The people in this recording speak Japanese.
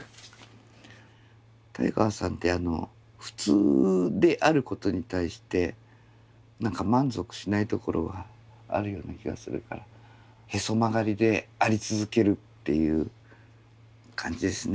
タイガーさんって普通であることに対して何か満足しないところがあるような気がするからへそ曲がりであり続けるっていう感じですね。